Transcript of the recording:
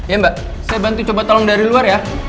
ya mbak saya bantu coba tolong dari luar ya